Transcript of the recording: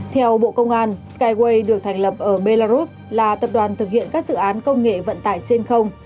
theo bộ công an skywe được thành lập ở belarus là tập đoàn thực hiện các dự án công nghệ vận tải trên không